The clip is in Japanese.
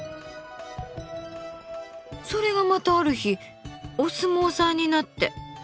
それがまたある日お相撲さんになって。